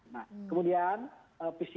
nah kemudian pcr kit ini ya